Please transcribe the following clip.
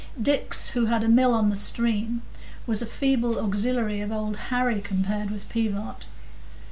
Dix, who had a mill on the stream, was a feeble auxiliary of Old Harry compared with Pivart.